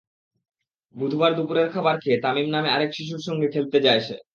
বুধবার দুপুরে খাবার খেয়ে তামিম নামে আরেক শিশুর সঙ্গে খেলতে যায় সে।